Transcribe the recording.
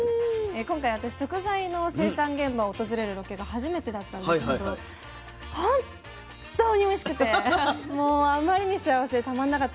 今回私食材の生産現場を訪れるロケが初めてだったんですけどほんとにおいしくてもうあまりに幸せでたまんなかったです。